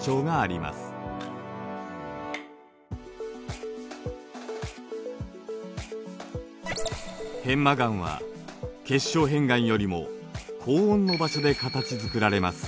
片麻岩は結晶片岩よりも高温の場所で形づくられます。